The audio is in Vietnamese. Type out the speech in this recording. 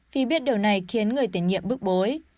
vì biết điều này khiến người tiền nhiệm bức bối